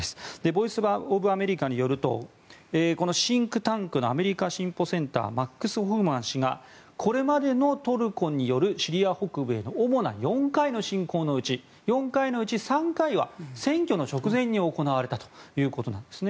ボイス・オブ・アメリカによるとシンクタンクのアメリカ進歩センターマックス・ホフマン氏がこれまでのトルコによるシリア北部への主な４回の侵攻のうち４回のうち３回は選挙の直前に行われたということです。